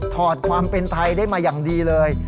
อดความเป็นไทยได้มาอย่างดีเลย